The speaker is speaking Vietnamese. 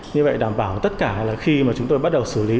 như vậy đảm bảo tất cả khi chúng tôi bắt đầu xử lý